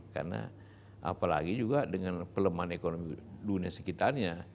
karena apalagi juga dengan pelemahan ekonomi dunia sekitarnya